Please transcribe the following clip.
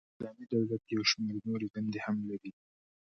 د اسلامی دولت یو شمیر نوري دندي هم لري.